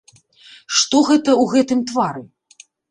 Што гэта ў гэтым твары?